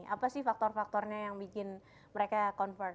apa sih faktor faktornya yang bikin mereka convert